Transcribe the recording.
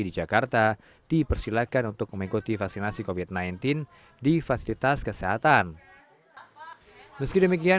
di jakarta dipersilakan untuk mengikuti vaksinasi covid sembilan belas di fasilitas kesehatan meski demikian